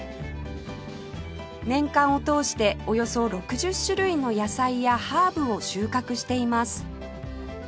年間を通しておよそ６０種類の野菜やハーブを収穫しています